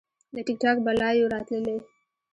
له ټیک ټاک به لایو راتللی